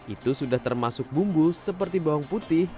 itu sudah termasuk bumbu seperti bawang putih